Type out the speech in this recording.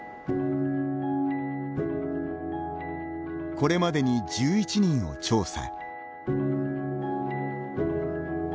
これまでに１１人を調査。